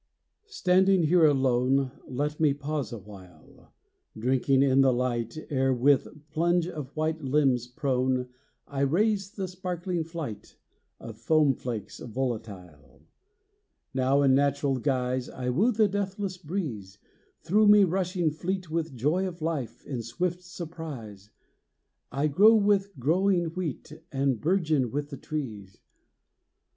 Standing here alone, Let me pause awhile, Drinking in the light Ere, with plunge of white limbs prone, I raise the sparkling flight Of foam flakes volatile. Now, in natural guise, I woo the deathless breeze, Through me rushing fleet The joy of life, in swift surprise: I grow with growing wheat, And burgeon with the trees.